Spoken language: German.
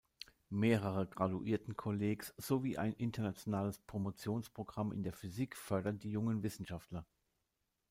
Mehrere Graduiertenkollegs sowie ein internationales Promotionsprogramm in der Physik fördern die jungen Wissenschaftler.